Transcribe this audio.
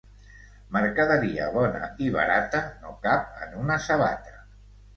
Mercaderia bona i barata no cap en una sabata.